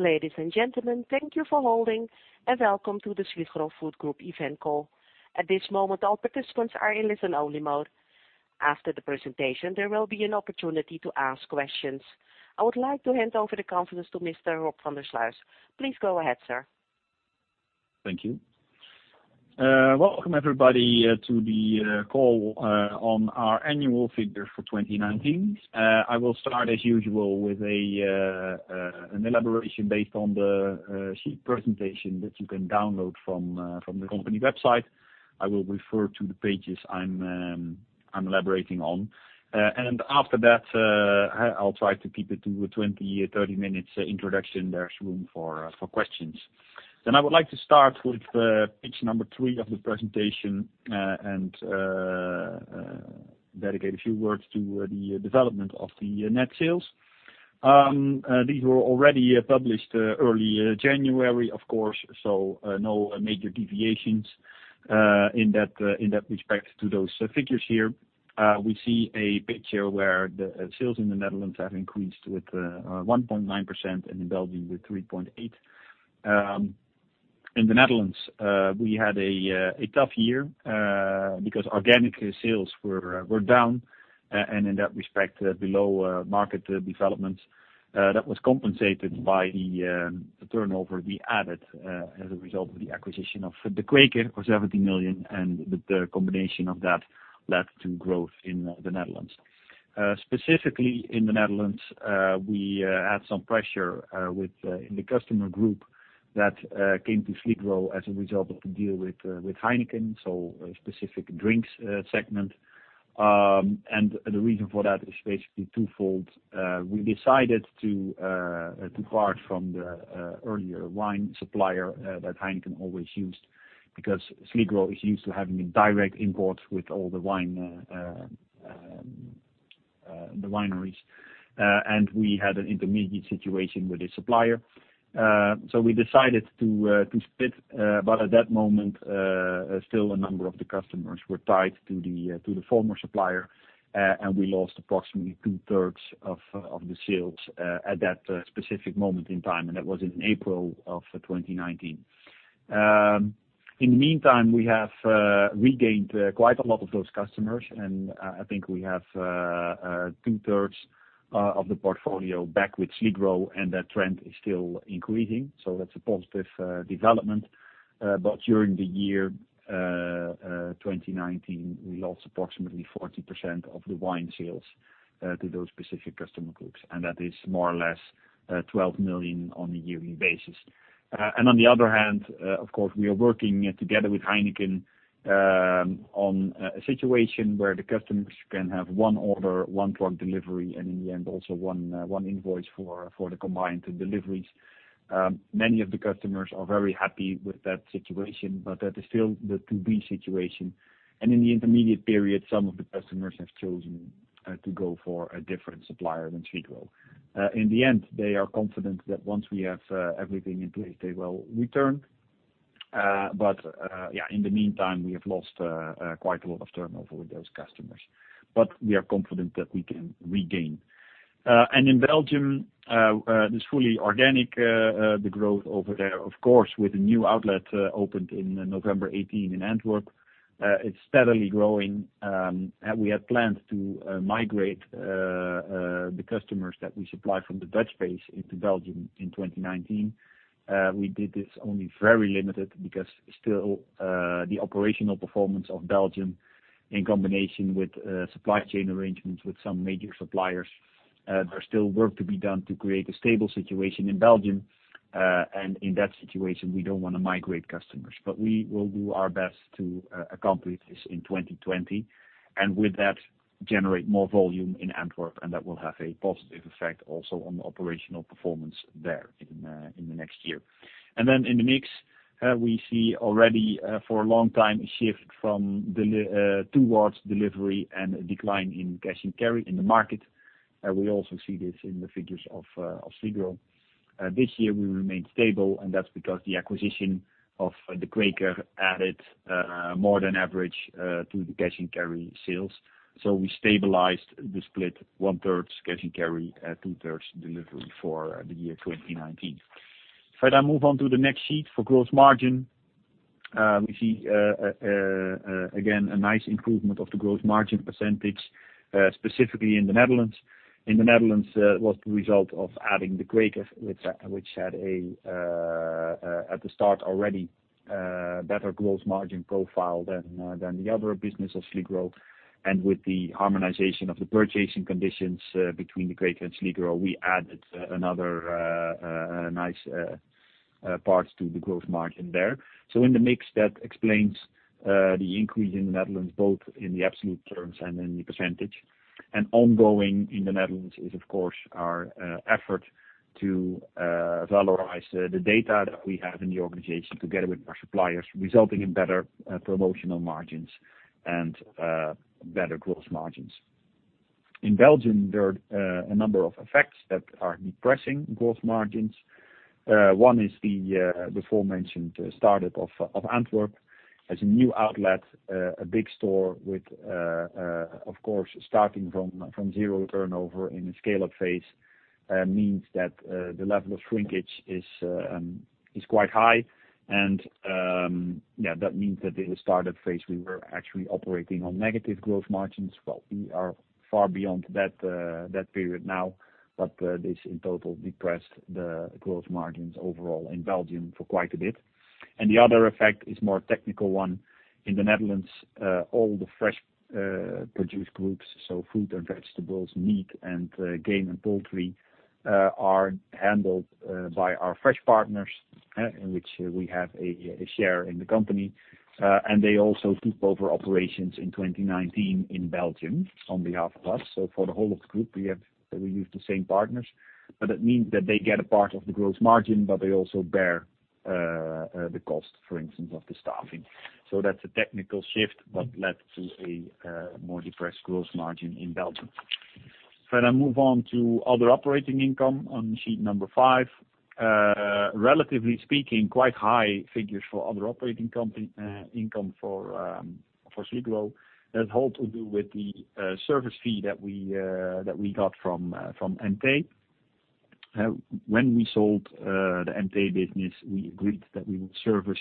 Ladies and gentlemen, thank you for holding and welcome to the Sligro Food Group event call. At this moment, all participants are in listen-only mode. After the presentation, there will be an opportunity to ask questions. I would like to hand over the conference to Mr. Rob van der Sluijs. Please go ahead, sir. Thank you. Welcome everybody to the call on our annual figures for 2019. I will start as usual with an elaboration based on the sheet presentation that you can download from the company website. I will refer to the pages I'm elaborating on. After that, I'll try to keep it to a 20-30 minutes introduction. There's room for questions. I would like to start with page number three of the presentation and dedicate a few words to the development of the net sales. These were already published early January, of course, so no major deviations in that respect to those figures here. We see a picture where the sales in the Netherlands have increased with 1.9% and in Belgium with 3.8%. In the Netherlands, we had a tough year because organic sales were down and in that respect, below market developments. That was compensated by the turnover we added as a result of the acquisition of De Kweker for 17 million and the combination of that led to growth in the Netherlands. Specifically in the Netherlands, we had some pressure within the customer group that came to Sligro as a result of the deal with Heineken, so a specific drinks segment. The reason for that is basically twofold. We decided to part from the earlier wine supplier that Heineken always used because Sligro is used to having a direct import with all the wineries. We had an intermediate situation with the supplier. We decided to split. At that moment, still a number of the customers were tied to the former supplier, and we lost approximately 2/3 of the sales at that specific moment in time, and that was in April of 2019. We have regained quite a lot of those customers, and I think we have 2/3 of the portfolio back with Sligro, and that trend is still increasing. That's a positive development. During the year 2019, we lost approximately 40% of the wine sales to those specific customer groups, and that is more or less 12 million on a yearly basis. On the other hand, of course, we are working together with Heineken on a situation where the customers can have one order, one truck delivery, and in the end, also one invoice for the combined deliveries. Many of the customers are very happy with that situation, that is still the to-be situation. In the intermediate period, some of the customers have chosen to go for a different supplier than Sligro. In the end, they are confident that once we have everything in place, they will return. In the meantime, we have lost quite a lot of turnover with those customers. We are confident that we can regain. In Belgium, it is fully organic the growth over there. Of course with a new outlet opened in November 2018 in Antwerp. It's steadily growing. We had planned to migrate the customers that we supply from the Dutch base into Belgium in 2019. We did this only very limited because still the operational performance of Belgium in combination with supply chain arrangements with some major suppliers, there's still work to be done to create a stable situation in Belgium. In that situation, we don't want to migrate customers, but we will do our best to accomplish this in 2020. With that, generate more volume in Antwerp, and that will have a positive effect also on the operational performance there in the next year. In the mix, we see already for a long time a shift towards delivery and a decline in cash and carry in the market. We also see this in the figures of Sligro. This year we remain stable, and that's because the acquisition of De Kweker added more than average to the cash and carry sales. We stabilized the split 1/3 cash and carry, 2/3 delivery for the year 2019. If I now move on to the next sheet for gross margin. We see again, a nice improvement of the gross margin percentage, specifically in the Netherlands. In the Netherlands, it was the result of adding De Kweker, which had at the start already a better gross margin profile than the other business of Sligro. With the harmonization of the purchasing conditions between De Kweker and Sligro, we added another nice part to the gross margin there. In the mix, that explains the increase in the Netherlands, both in the absolute terms and in the percentage. Ongoing in the Netherlands is of course our effort to valorize the data that we have in the organization together with our suppliers, resulting in better promotional margins and better gross margins. In Belgium, there are a number of effects that are depressing gross margins. One is the aforementioned startup of Antwerp as a new outlet, a big store with, of course, starting from zero turnover in a scale-up phase, means that the level of shrinkage is quite high. That means that in the startup phase, we were actually operating on negative gross margins. We are far beyond that period now, this in total depressed the gross margins overall in Belgium for quite a bit. The other effect is more technical one. In the Netherlands, all the fresh produce groups, so fruit and vegetables, meat, and game and poultry, are handled by our fresh partners, in which we have a share in the company. They also took over operations in 2019 in Belgium on behalf of us. For the whole of the group, we use the same partners, but that means that they get a part of the gross margin, but they also bear the cost, for instance, of the staffing. That's a technical shift, but led to a more depressed gross margin in Belgium. If I now move on to other operating income on sheet number five. Relatively speaking, quite high figures for other operating income for Sligro. That's all to do with the service fee that we got from EMTÉ. When we sold the EMTÉ business, we agreed that we would service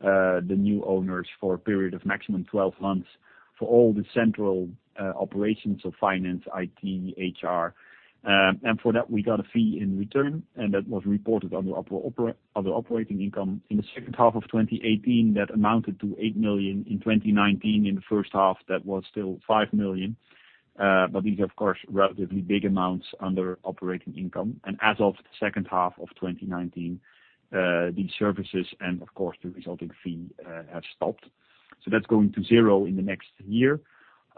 the new owners for a period of maximum 12 months for all the central operations of finance, IT, HR. For that, we got a fee in return, and that was reported under other operating income in the second half of 2018, that amounted to 8 million. In 2019, in the first half, that was still 5 million. These are, of course, relatively big amounts under operating income. As of the second half of 2019, these services and, of course, the resulting fee have stopped. That's going to zero in the next year.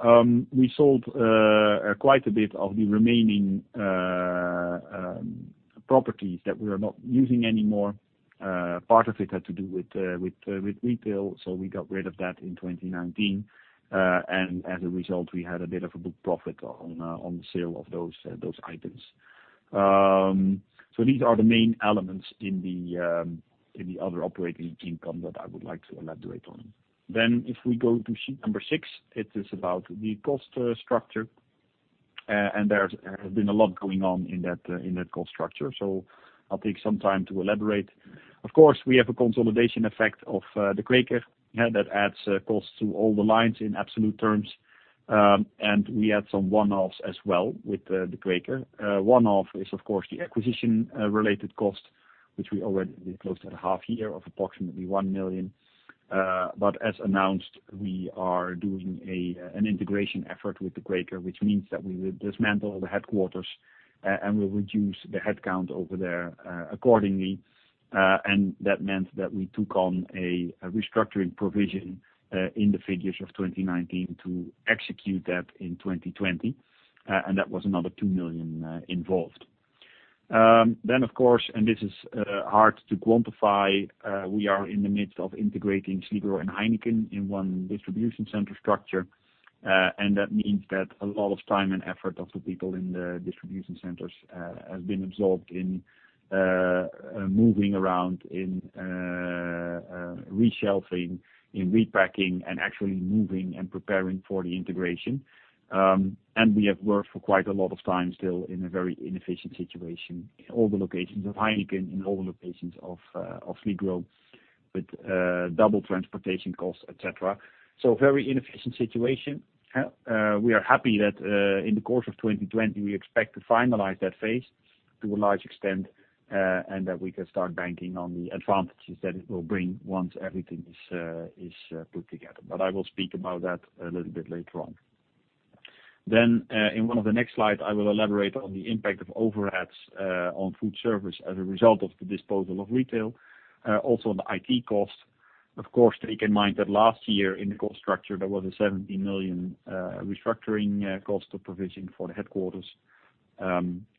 We sold quite a bit of the remaining properties that we are not using anymore. Part of it had to do with retail, so we got rid of that in 2019. As a result, we had a bit of a good profit on the sale of those items. These are the main elements in the other operating income that I would like to elaborate on. If we go to sheet number six, it is about the cost structure, and there has been a lot going on in that cost structure. I'll take some time to elaborate. Of course, we have a consolidation effect of De Kweker that adds cost to all the lines in absolute terms. We had some one-offs as well with De Kweker. One-off is, of course, the acquisition related cost, which we already disclosed at a half year of approximately 1 million. As announced, we are doing an integration effort with De Kweker, which means that we will dismantle the headquarters and will reduce the headcount over there accordingly. That meant that we took on a restructuring provision in the figures of 2019 to execute that in 2020. That was another 2 million involved. Of course, and this is hard to quantify, we are in the midst of integrating Sligro and Heineken in one distribution center structure. That means that a lot of time and effort of the people in the distribution centers has been absorbed in moving around, in reshelving, in repacking, and actually moving and preparing for the integration. We have worked for quite a lot of time still in a very inefficient situation in all the locations of Heineken, in all locations of Sligro, with double transportation costs, et cetera. A very inefficient situation. We are happy that in the course of 2020, we expect to finalize that phase to a large extent, and that we can start banking on the advantages that it will bring once everything is put together. I will speak about that a little bit later on. In one of the next slides, I will elaborate on the impact of overheads on food service as a result of the disposal of retail. Also on the IT cost. Of course, take in mind that last year in the cost structure, there was a 70 million restructuring cost to provision for the headquarters.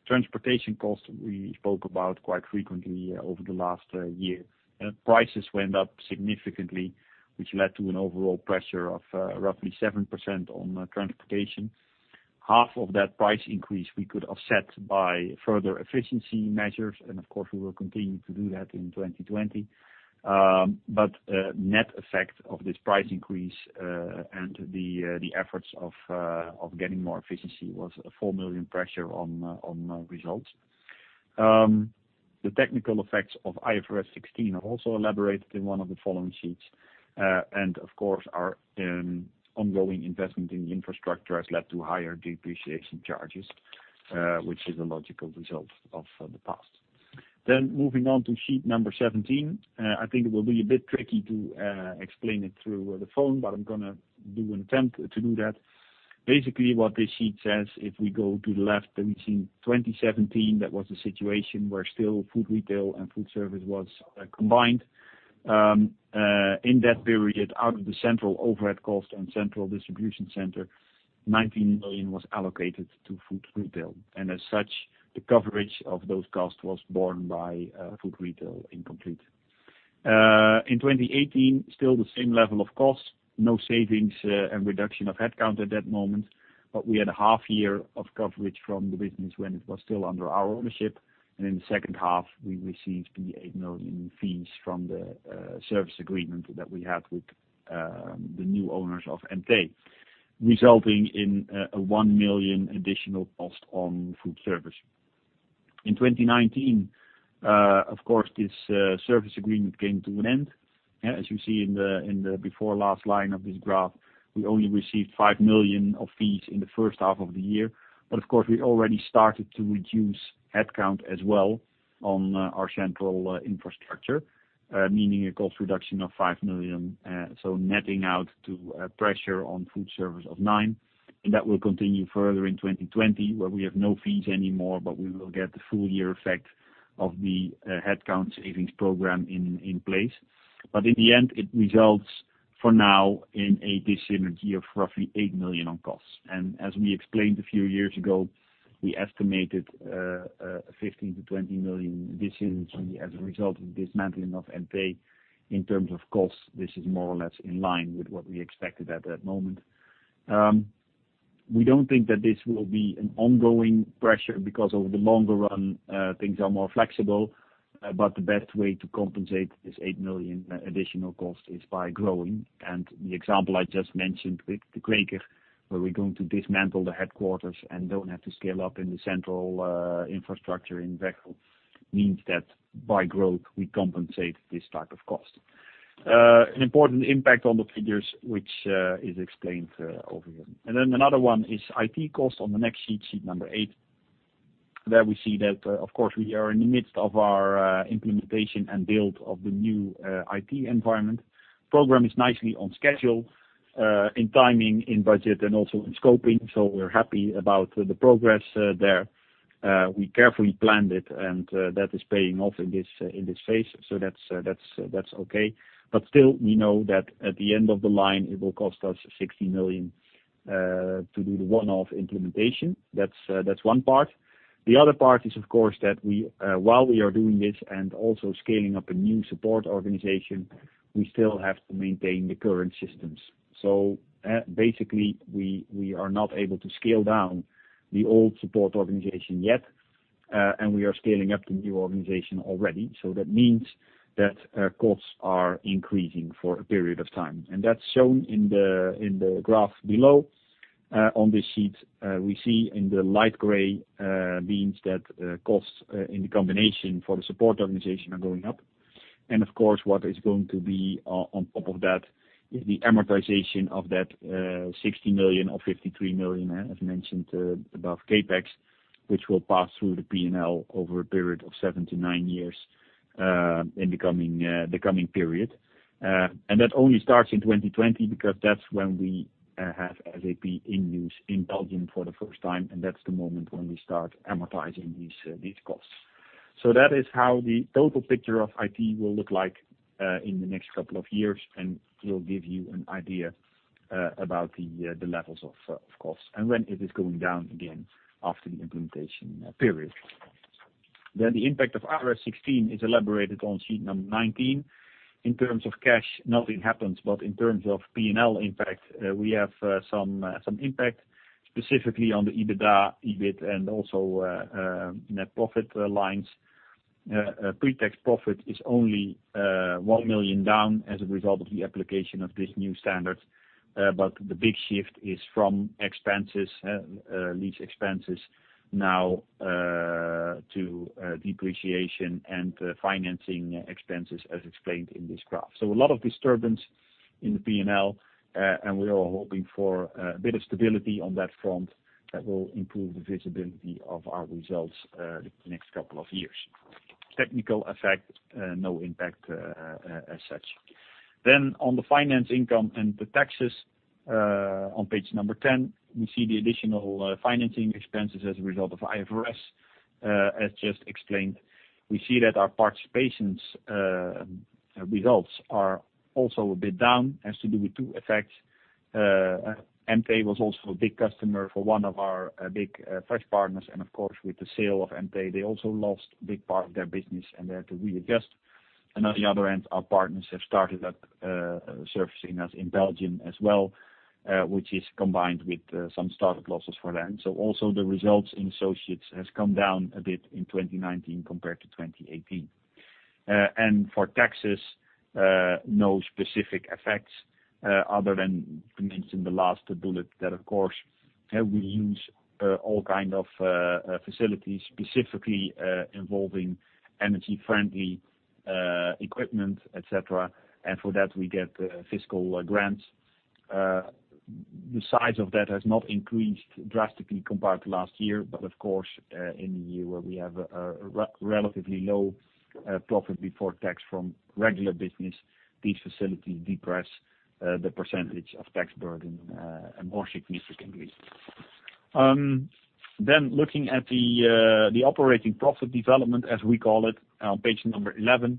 Transportation cost, we spoke about quite frequently over the last year. Prices went up significantly, which led to an overall pressure of roughly 7% on transportation. Half of that price increase we could offset by further efficiency measures. Of course, we will continue to do that in 2020. Net effect of this price increase and the efforts of getting more efficiency was a 4 million pressure on results. The technical effects of IFRS 16 are also elaborated in one of the following sheets. Of course, our ongoing investment in infrastructure has led to higher depreciation charges, which is a logical result of the past. Moving on to sheet number 17. I think it will be a bit tricky to explain it through the phone. I'm going to do an attempt to do that. Basically, what this sheet says, if we go to the left, we see 2017, that was the situation where still food retail and food service was combined. In that period, out of the central overhead cost and central distribution center, 19 million was allocated to food retail. As such, the coverage of those costs was borne by food retail in complete. In 2018, still the same level of cost, no savings and reduction of headcount at that moment, we had a half year of coverage from the business when it was still under our ownership. In the second half, we received the 8 million in fees from the service agreement that we had with the new owners of EMTÉ, resulting in a 1 million additional cost on food service. In 2019, of course, this service agreement came to an end. As you see in the before last line of this graph, we only received 5 million of fees in the first half of the year. Of course, we already started to reduce headcount as well on our central infrastructure, meaning a cost reduction of 5 million, netting out to pressure on food service of 9 million. That will continue further in 2020, where we have no fees anymore, but we will get the full year effect of the headcount savings program in place. In the end, it results for now in a dis-synergy of roughly 8 million on costs. As we explained a few years ago, we estimated a 15 million-20 million dis-synergy as a result of dismantling of EMTÉ. In terms of cost, this is more or less in line with what we expected at that moment. We don't think that this will be an ongoing pressure because over the longer run, things are more flexible. The best way to compensate this 8 million additional cost is by growing. The example I just mentioned with De Kweker, where we're going to dismantle the headquarters and don't have to scale up in the central infrastructure in Veghel, means that by growth, we compensate this type of cost. An important impact on the figures, which is explained over here. Another one is IT cost on the next sheet number eight. There we see that, of course, we are in the midst of our implementation and build of the new IT environment. Program is nicely on schedule, in timing, in budget, and also in scoping. We're happy about the progress there. We carefully planned it, and that is paying off in this phase. That's okay. Still, we know that at the end of the line, it will cost us 60 million to do the one-off implementation. The other part is, of course, that while we are doing this and also scaling up a new support organization, we still have to maintain the current systems. Basically, we are not able to scale down the old support organization yet, and we are scaling up the new organization already. That means that costs are increasing for a period of time. That's shown in the graph below on this sheet. We see in the light gray means that costs in the combination for the support organization are going up. Of course, what is going to be on top of that is the amortization of that 60 million or 53 million, as mentioned above, CapEx, which will pass through the P&L over a period of seven to nine years in the coming period. That only starts in 2020 because that's when we have SAP in use in Belgium for the first time, and that's the moment when we start amortizing these costs. That is how the total picture of IT will look like in the next couple of years, and it will give you an idea about the levels of cost and when it is going down again after the implementation period. The impact of IFRS 16 is elaborated on sheet number 19. In terms of cash, nothing happens, but in terms of P&L impact, we have some impact, specifically on the EBITDA, EBIT, and also net profit lines. Pretax profit is only 1 million down as a result of the application of this new standard, but the big shift is from expenses, lease expenses now to depreciation and financing expenses, as explained in this graph. A lot of disturbance in the P&L, and we are hoping for a bit of stability on that front that will improve the visibility of our results the next couple of years. Technical effect, no impact as such. On the finance income and the taxes on page 10, we see the additional financing expenses as a result of IFRS. As just explained, we see that our participations results are also a bit down, has to do with two effects. EMTÉ was also a big customer for one of our big fresh partners, of course, with the sale of EMTÉ, they also lost a big part of their business, and they had to readjust. On the other end, our partners have started up surfacing as in Belgium as well, which is combined with some startup losses for them. Also the results in associates has come down a bit in 2019 compared to 2018. For taxes, no specific effects other than mentioned in the last bullet that, of course, we use all kind of facilities, specifically involving energy-friendly equipment, et cetera. For that, we get fiscal grants. The size of that has not increased drastically compared to last year. Of course, in a year where we have a relatively low profit before tax from regular business, these facilities depress the percentage of tax burden a more significant way. Looking at the operating profit development, as we call it, on page number 11.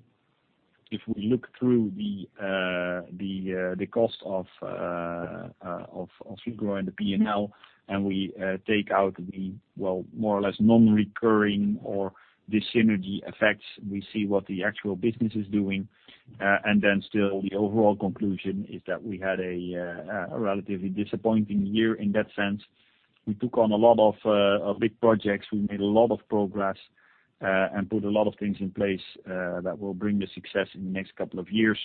If we look through the cost of Sligro and the P&L, we take out the more or less non-recurring or the synergy effects, we see what the actual business is doing. Still the overall conclusion is that we had a relatively disappointing year in that sense. We took on a lot of big projects. We made a lot of progress and put a lot of things in place that will bring the success in the next couple of years.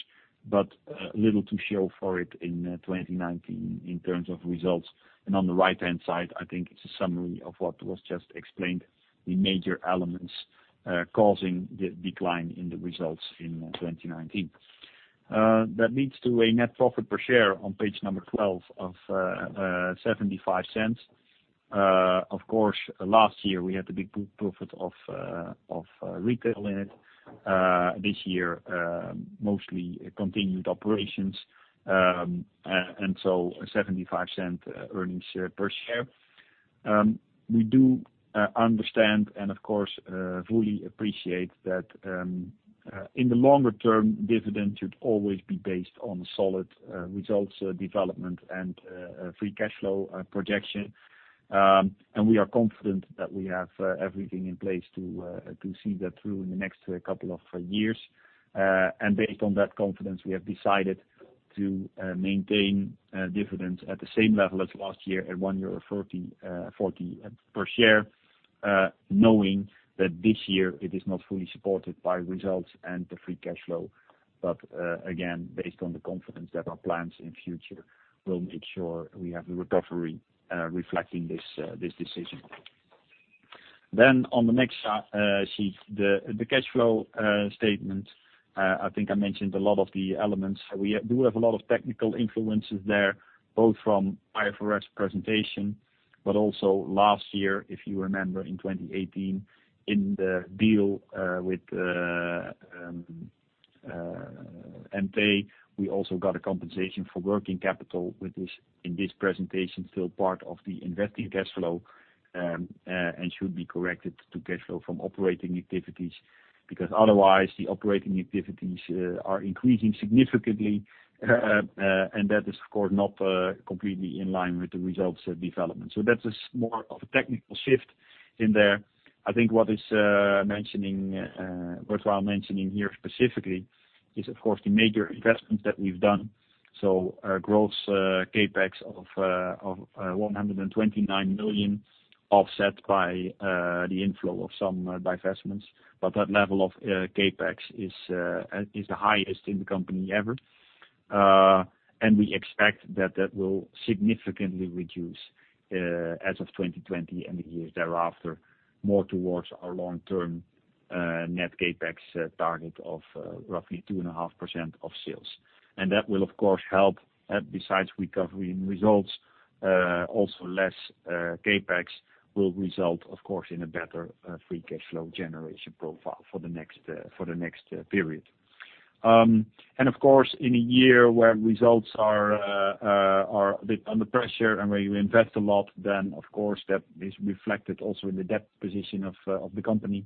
Little to show for it in 2019 in terms of results. On the right-hand side, I think it's a summary of what was just explained, the major elements causing the decline in the results in 2019. That leads to a net profit per share on page number 12 of 0.75. Of course, last year we had the big profit of retail in it. This year, mostly continued operations. 0.75 earnings per share. We do understand, and of course, fully appreciate that in the longer term, dividend should always be based on solid results development and free cash flow projection. We are confident that we have everything in place to see that through in the next couple of years. Based on that confidence, we have decided to maintain dividends at the same level as last year at 1.40 euro per share, knowing that this year it is not fully supported by results and the free cash flow. Again, based on the confidence that our plans in future will make sure we have the recovery reflecting this decision. On the next sheet, the cash flow statement. I think I mentioned a lot of the elements. We do have a lot of technical influences there, both from IFRS presentation, but also last year, if you remember, in 2018 in the deal with EMTÉ, we also got a compensation for working capital with this, in this presentation, still part of the investing cash flow, and should be corrected to cash flow from operating activities. Otherwise, the operating activities are increasing significantly, and that is, of course, not completely in line with the results development. That is more of a technical shift in there. I think what is worthwhile mentioning here specifically is, of course, the major investments that we've done. Gross CapEx of 129 million offset by the inflow of some divestments. That level of CapEx is the highest in the company ever. We expect that will significantly reduce as of 2020 and the years thereafter, more towards our long-term net CapEx target of roughly 2.5% of sales. That will, of course, help besides recovering results, also less CapEx will result, of course, in a better free cash flow generation profile for the next period. Of course, in a year where results are a bit under pressure and where you invest a lot, then of course, that is reflected also in the debt position of the company,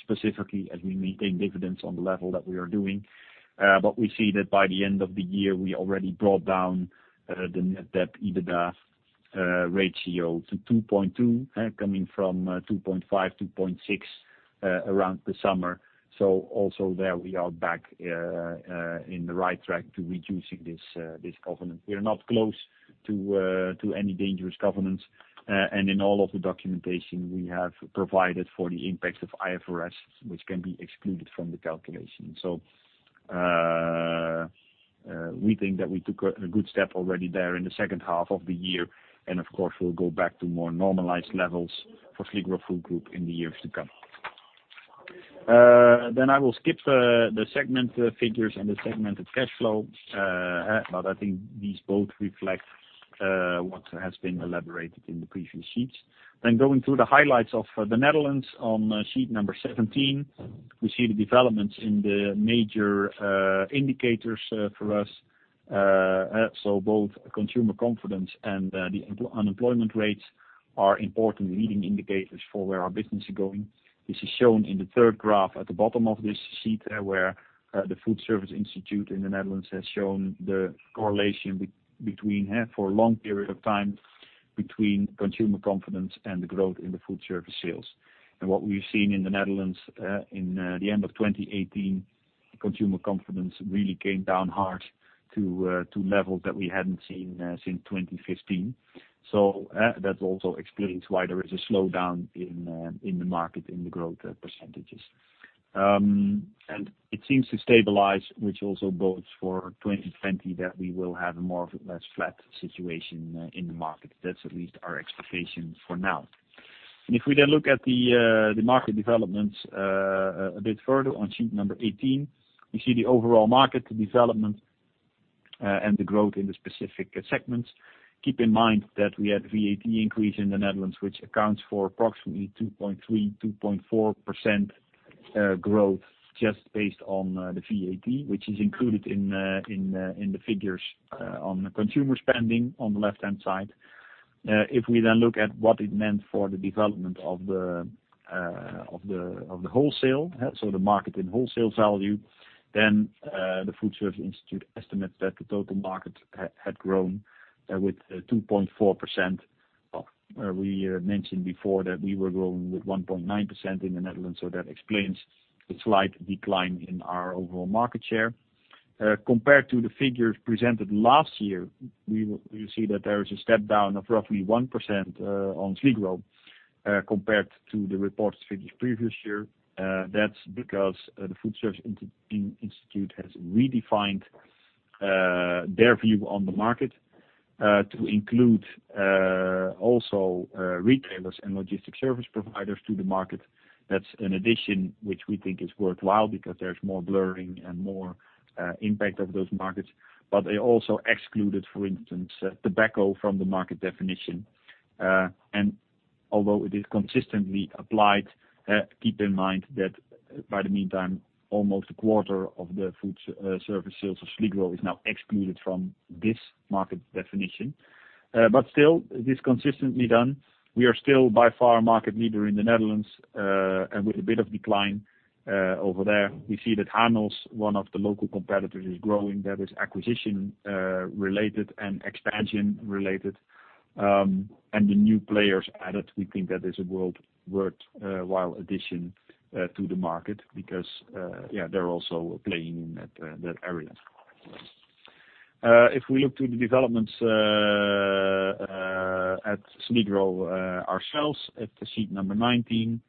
specifically as we maintain dividends on the level that we are doing. We see that by the end of the year, we already brought down the net debt EBITDA ratio to 2.2, coming from 2.5, 2.6 around the summer. Also there we are back in the right track to reducing this covenant. We are not close to any dangerous covenants. In all of the documentation, we have provided for the impacts of IFRS, which can be excluded from the calculation. We think that we took a good step already there in the second half of the year. Of course, we'll go back to more normalized levels for Sligro Food Group in the years to come. I will skip the segment figures and the segmented cash flow. I think these both reflect what has been elaborated in the previous sheets. Going through the highlights of the Netherlands on sheet number 17, we see the developments in the major indicators for us. Both consumer confidence and the unemployment rates are important leading indicators for where our business is going. This is shown in the third graph at the bottom of this sheet where the FoodService Instituut Nederland has shown the correlation between, for a long period of time, between consumer confidence and the growth in the food service sales. What we've seen in the Netherlands in the end of 2018, consumer confidence really came down hard to levels that we hadn't seen since 2015. That also explains why there is a slowdown in the market in the growth percentages. It seems to stabilize, which also bodes for 2020 that we will have a more of a less flat situation in the market. That's at least our expectation for now. If we then look at the market developments a bit further on sheet number 18, we see the overall market development and the growth in the specific segments. Keep in mind that we had VAT increase in the Netherlands, which accounts for approximately 2.3%-2.4% growth just based on the VAT, which is included in the figures on consumer spending on the left-hand side. We then look at what it meant for the development of the wholesale, so the market in wholesale value, then the FoodService Instituut estimates that the total market had grown with 2.4%. We mentioned before that we were growing with 1.9% in the Netherlands, so that explains the slight decline in our overall market share. Compared to the figures presented last year, we will see that there is a step down of roughly 1% on Sligro compared to the reports for the previous year. That's because the FoodService Instituut has redefined their view on the market to include also retailers and logistic service providers to the market. That's an addition which we think is worthwhile because there's more blurring and more impact of those markets. They also excluded, for instance, tobacco from the market definition. Although it is consistently applied, keep in mind that in the meantime, almost a quarter of the food service sales of Sligro is now excluded from this market definition. Still, it is consistently done. We are still by far market leader in the Netherlands, and with a bit of decline over there. We see that HANOS, one of the local competitors, is growing. That is acquisition related and expansion related. The new players added, we think that is a worldwide addition to the market because they're also playing in that area. If we look to the developments at Sligro ourselves at the sheet number 19.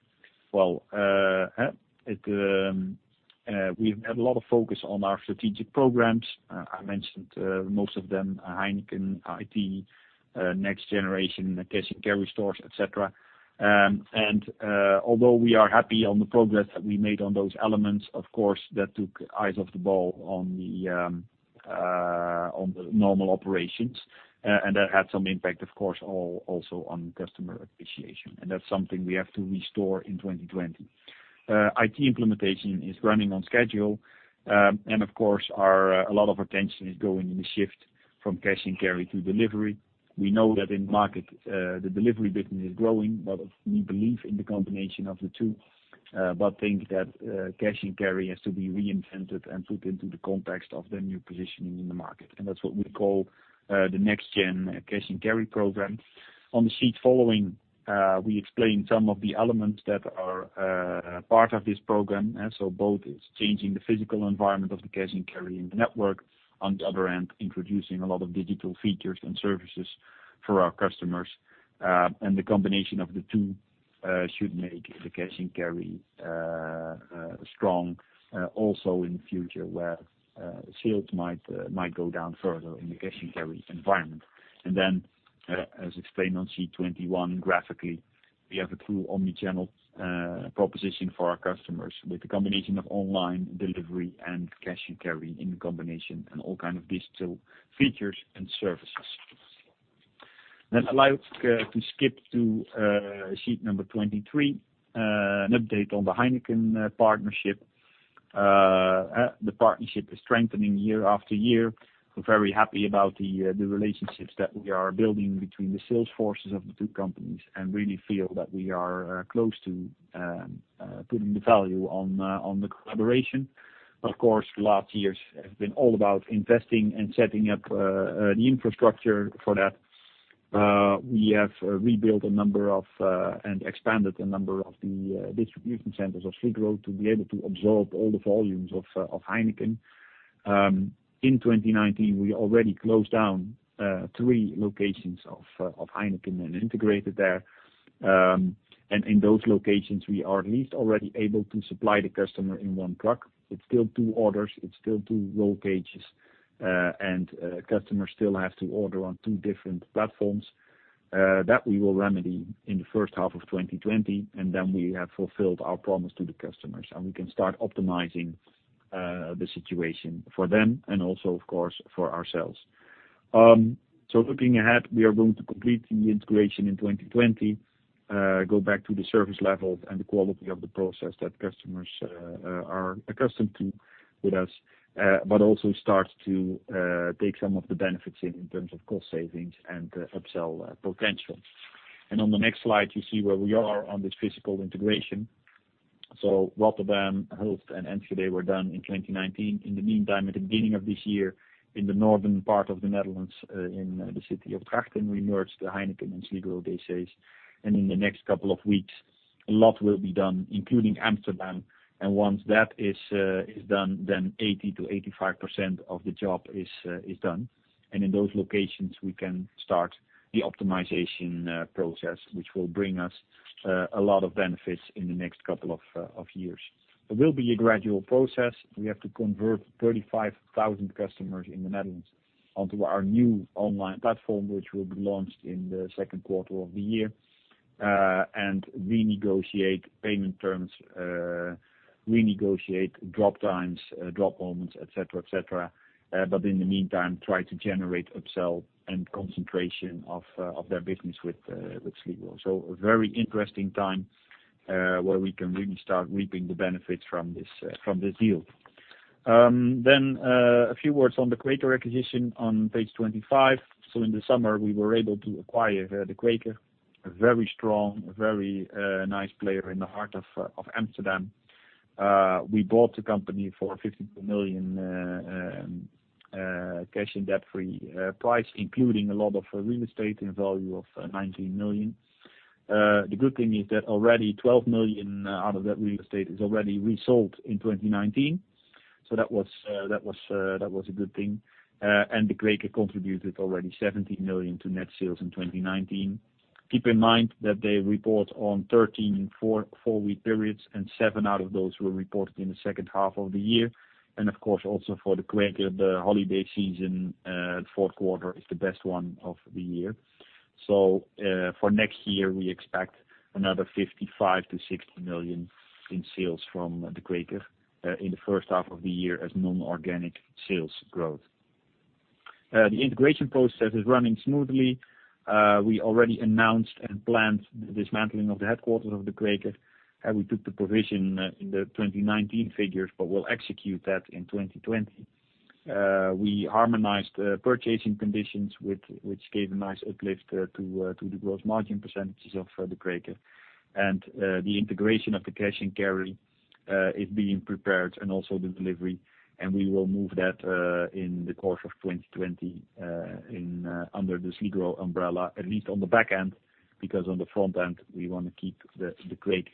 We've had a lot of focus on our strategic programs. I mentioned most of them, Heineken, IT, Next Gen Cash-and-Carry stores, et cetera. Although we are happy on the progress that we made on those elements, of course, that took eyes off the ball on the normal operations. That had some impact, of course, also on customer appreciation. That's something we have to restore in 2020. IT implementation is running on schedule. Of course, a lot of attention is going in the shift from cash and carry to delivery. We know that in market, the delivery business is growing, but we believe in the combination of the two, but think that cash and carry has to be reinvented and put into the context of the new positioning in the market. That's what we call the Next Gen Cash-and-Carry program. Following, we explained some of the elements that a part of this program and both is changing the physical environment of the cash-and-carry in the network. On the other hand, introducing a lot of digital features and services for our customers. The combination of the two should make the cash-and-carry strong, also in the future where sales might go down further in the cash-and-carry environment. As explained on sheet 21 graphically, we have a true omnichannel proposition for our customers with the combination of online delivery and cash-and-carry in combination and all kind of digital features and services. Allow to skip to sheet number 23, an update on the Heineken partnership. The partnership is strengthening year after year. We're very happy about the relationships that we are building between the sales forces of the two companies, and really feel that we are close to putting the value on the collaboration. Of course, last years have been all about investing and setting up the infrastructure for that. We have rebuilt a number of, and expanded a number of the distribution centers of Sligro to be able to absorb all the volumes of Heineken. In 2019, we already closed down three locations of Heineken and integrated there. In those locations, we are at least already able to supply the customer in one truck. It's still two orders, it's still two roll cages, and customers still have to order on two different platforms. That we will remedy in the first half of 2020, and then we have fulfilled our promise to the customers, and we can start optimizing the situation for them and also, of course, for ourselves. Looking ahead, we are going to complete the integration in 2020, go back to the service levels and the quality of the process that customers are accustomed to with us, but also start to take some of the benefits in terms of cost savings and upsell potential. On the next slide, you see where we are on this physical integration. Rotterdam, Holland, and Enschede were done in 2019. In the meantime, at the beginning of this year, in the northern part of the Netherlands, in the city of Breda, we merged the Heineken and Sligro bases. In the next couple of weeks, a lot will be done, including Amsterdam. Once that is done, then 80%-85% of the job is done. In those locations, we can start the optimization process, which will bring us a lot of benefits in the next couple of years. It will be a gradual process. We have to convert 35,000 customers in the Netherlands onto our new online platform, which will be launched in the second quarter of the year, and renegotiate payment terms, renegotiate drop times, drop moments, et cetera. In the meantime, try to generate upsell and concentration of their business with Sligro. A very interesting time, where we can really start reaping the benefits from this deal. Then a few words on the De Kweker acquisition on page 25. In the summer, we were able to acquire the De Kweker, a very strong, very nice player in the heart of Amsterdam. We bought the company for a 15 million cash and debt-free price, including a lot of real estate in value of 19 million. The good thing is that already 12 million out of that real estate is already resold in 2019. That was a good thing. De Kweker contributed already 17 million to net sales in 2019. Keep in mind that they report on 13 four-week periods, and seven out of those were reported in the second half of the year. Of course, also for De Kweker, the holiday season, fourth quarter is the best one of the year. For next year, we expect another 55 million to 60 million in sales from De Kweker in the first half of the year as non-organic sales growth. The integration process is running smoothly. We already announced and planned the dismantling of the headquarters of De Kweker. We took the provision in the 2019 figures, but we'll execute that in 2020. We harmonized purchasing conditions which gave a nice uplift to the gross margin percentages of De Kweker. The integration of the cash and carry is being prepared and also the delivery, and we will move that in the course of 2020 under the Sligro umbrella, at least on the back end, because on the front end, we want to keep De Kweker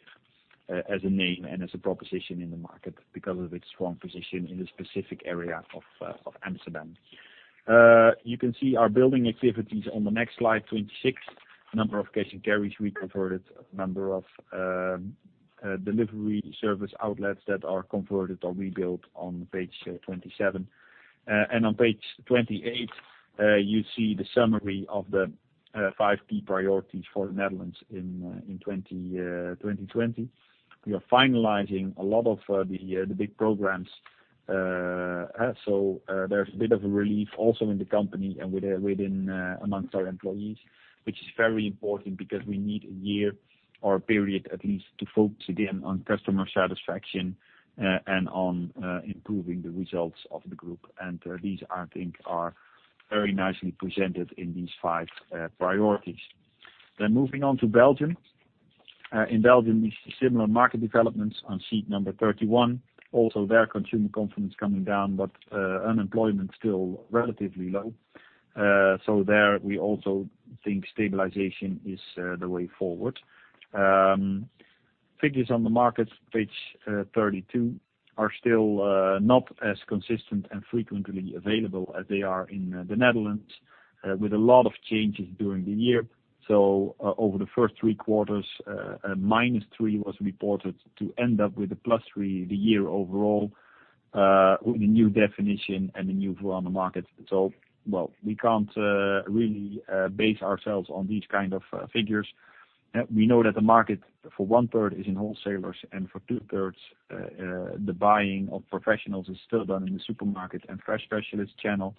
as a name and as a proposition in the market because of its strong position in the specific area of Amsterdam. You can see our building activities on the next slide 26. Number of cash and carries we converted, number of delivery service outlets that are converted or rebuilt on page 27. On page 28, you see the summary of the five key priorities for the Netherlands in 2020. We are finalizing a lot of the big programs. There's a bit of a relief also in the company and amongst our employees, which is very important because we need a year or a period at least to focus again on customer satisfaction and on improving the results of the group. These, I think, are very nicely presented in these five priorities. Moving on to Belgium. In Belgium, we see similar market developments on sheet number 31. There, consumer confidence coming down, but unemployment still relatively low. There we also think stabilization is the way forward. Figures on the market, page 32, are still not as consistent and frequently available as they are in the Netherlands, with a lot of changes during the year. Over the first three quarters, a -3 was reported to end up with a +3 the year overall with a new definition and a new view on the market. We can't really base ourselves on these kind of figures. We know that the market for 1/3 is in wholesalers and for 1/3 the buying of professionals is still done in the supermarket and fresh specialist channel.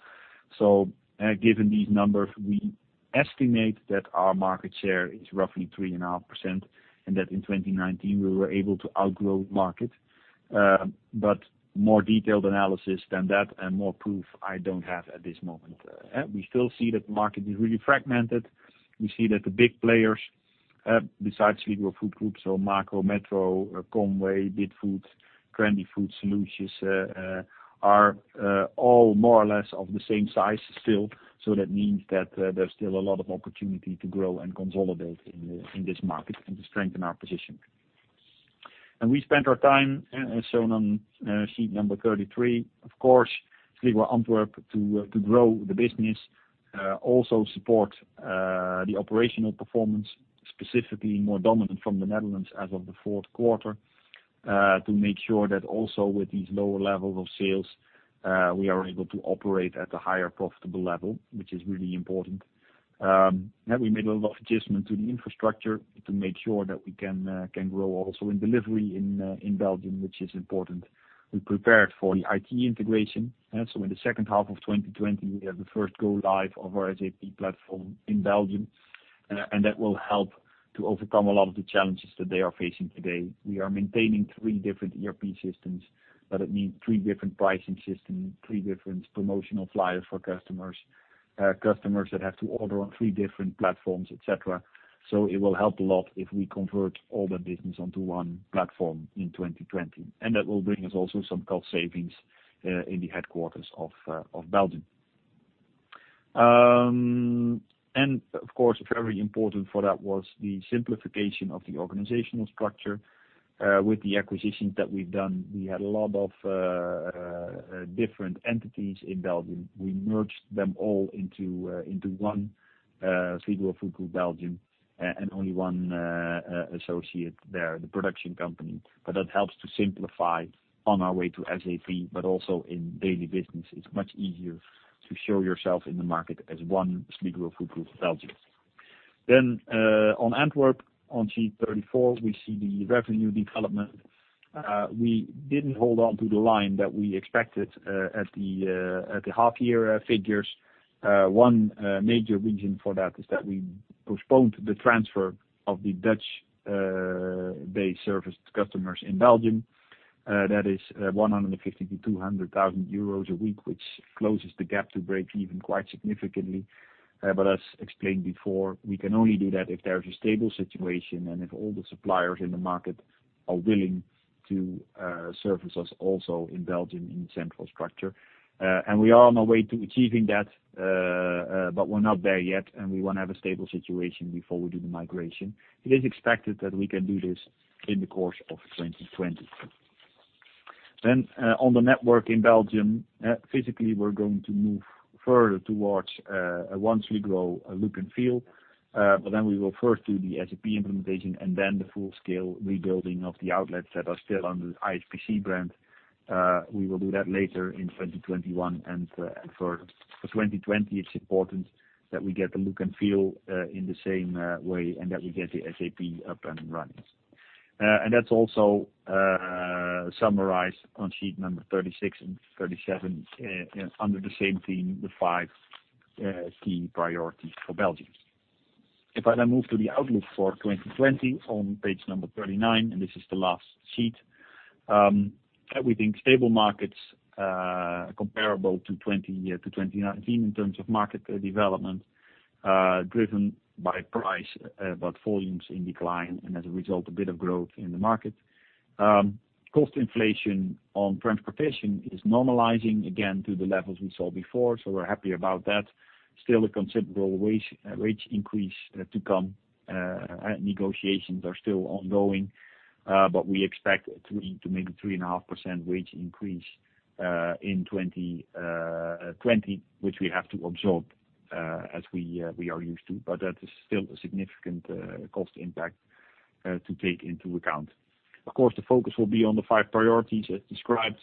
Given these numbers, we estimate that our market share is roughly 3.5% and that in 2019 we were able to outgrow market. More detailed analysis than that and more proof I don't have at this moment. We still see that the market is really fragmented. We see that the big players, besides Sligro Food Group, Makro, Metro, Colruyt, Bidfood, Trendy Food Solutions, are all more or less of the same size still. That means that there's still a lot of opportunity to grow and consolidate in this market and to strengthen our position. We spent our time, as shown on sheet number 33, of course, Sligro Antwerp to grow the business, also support the operational performance, specifically more dominant from the Netherlands as of the fourth quarter, to make sure that also with these lower levels of sales, we are able to operate at a higher profitable level, which is really important. We made a lot of adjustment to the infrastructure to make sure that we can grow also in delivery in Belgium, which is important. We prepared for the IT integration. In the second half of 2020, we have the first go live of our SAP platform in Belgium, and that will help to overcome a lot of the challenges that they are facing today. We are maintaining three different ERP systems. It means three different pricing systems, three different promotional flyers for customers. Customers that have to order on three different platforms, et cetera. It will help a lot if we convert all the business onto one platform in 2020. That will bring us also some cost savings in the headquarters of Belgium. Of course, very important for that was the simplification of the organizational structure. With the acquisitions that we've done, we had a lot of different entities in Belgium. We merged them all into one Sligro Food Group Belgium, and only one associate there, the production company. That helps to simplify on our way to SAP. Also in daily business, it's much easier to show yourself in the market as one Sligro Food Group Belgium. On Antwerp on sheet 34, we see the revenue development. We didn't hold on to the line that we expected at the half year figures. One major reason for that is that we postponed the transfer of the Dutch base service customers in Belgium. That is 150,000-200,000 euros a week, which closes the gap to break even quite significantly. As explained before, we can only do that if there is a stable situation and if all the suppliers in the market are willing to service us also in Belgium in central structure. We are on our way to achieving that, but we're not there yet, and we want to have a stable situation before we do the migration. It is expected that we can do this in the course of 2020. On the network in Belgium, physically, we're going to move further towards a Sligro look and feel. Then we will first do the SAP implementation and then the full-scale rebuilding of the outlets that are still under the ISPC brand. We will do that later in 2021. For 2020, it's important that we get the look and feel in the same way, that we get the SAP up and running. That's also summarized on sheet number 36 and 37 under the same theme, the five key priorities for Belgium. If I now move to the outlook for 2020 on page number 39, this is the last sheet. We think stable markets comparable to 2019 in terms of market development, driven by price, but volumes in decline, as a result, a bit of growth in the market. Cost inflation on transportation is normalizing again to the levels we saw before. We're happy about that. Still a considerable wage increase to come. Negotiations are still ongoing, but we expect to make a 3.5% wage increase in 2020, which we have to absorb as we are used to, but that is still a significant cost impact to take into account. Of course, the focus will be on the 5 priorities as described,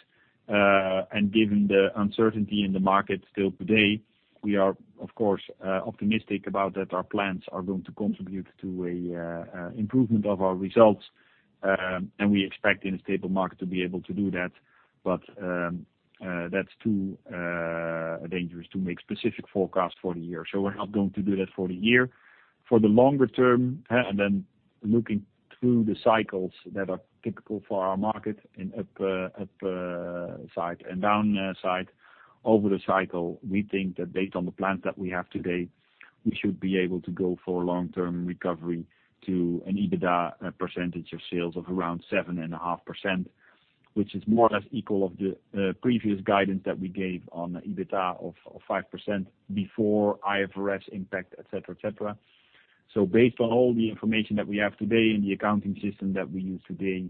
and given the uncertainty in the market still today, we are, of course, optimistic about that our plans are going to contribute to an improvement of our results, and we expect in a stable market to be able to do that. That's too dangerous to make specific forecasts for the year. We're not going to do that for the year. For the longer term, then looking through the cycles that are typical for our market in upside and downside over the cycle, we think that based on the plans that we have today, we should be able to go for a long-term recovery to an EBITDA percentage of sales of around 7.5%, which is more or less equal of the previous guidance that we gave on the EBITDA of 5% before IFRS impact, et cetera. Based on all the information that we have today in the accounting system that we use today,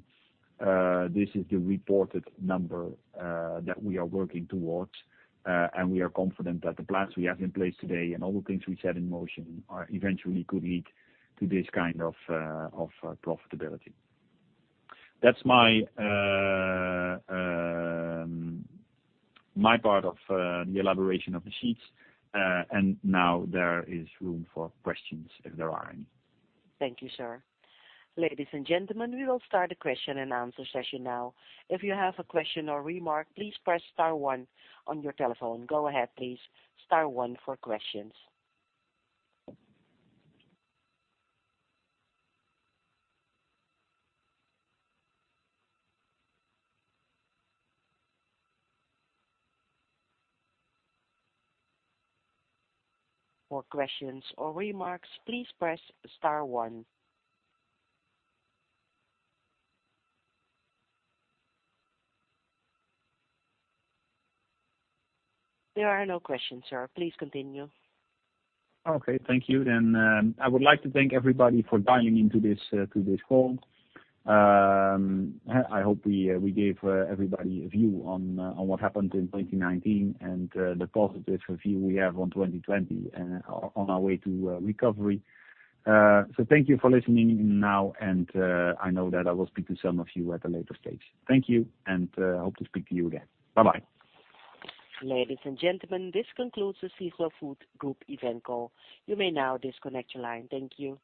this is the reported number that we are working towards. We are confident that the plans we have in place today and all the things we set in motion eventually could lead to this kind of profitability. That's my part of the elaboration of the sheets. Now there is room for questions if there are any. Thank you, sir. Ladies and gentlemen, we will start the question and answer session now. If you have a question or remark, please press star one on your telephone. Go ahead, please. Star one for questions. For questions or remarks, please press star one. There are no questions, sir. Please continue. Okay, thank you. I would like to thank everybody for dialing into this call. I hope we gave everybody a view on what happened in 2019 and the positive view we have on 2020 on our way to recovery. Thank you for listening now, and I know that I will speak to some of you at a later stage. Thank you, and hope to speak to you again. Bye-bye. Ladies and gentlemen, this concludes the Sligro Food Group event call. You may now disconnect your line. Thank you.